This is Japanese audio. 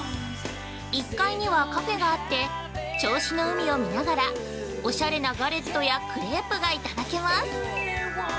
１階には、カフェがあって銚子の海を見ながら、おしゃれなガレットやクレープがいただけます。